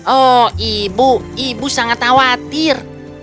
oh ibu ibu sangat khawatir